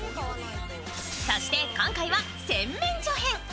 そして今回は洗面所編。